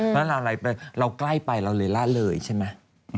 เพราะเราใกล้ไปเราเลยล่ะเลยใช่มั้ย